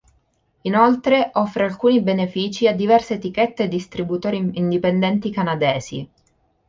Inoltre, offre alcuni benefici a diverse etichette e distributori indipendenti canadesi.